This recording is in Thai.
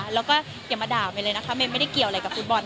แล้วก็อย่ามาด่าเมย์เลยนะคะเมย์ไม่ได้เกี่ยวอะไรกับฟุตบอล